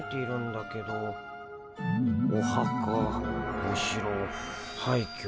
おはかおしろはいきょ